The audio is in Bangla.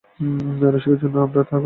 রসিকের জন্যই সে আর ঘটিয়া উঠিল না।